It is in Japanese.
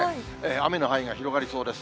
雨の範囲が広がりそうです。